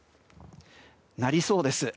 なりそうです。